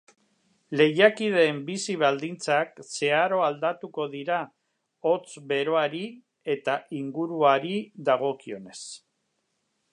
Lehiakideen bizi baldintzak zeharo aldatuko dira hotz beroari eta inguruari dagokionez.